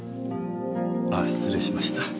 ああ失礼しました。